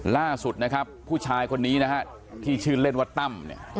ล่าสุดนะครับผู้ชายคนนี้นะฮะที่ชื่อเล่นว่าตั้มเนี่ย